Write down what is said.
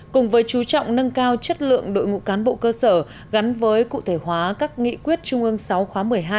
cùng với chú trọng nâng cao chất lượng đội ngũ cán bộ cơ sở gắn với cụ thể hóa các nghị quyết trung ương sáu khóa một mươi hai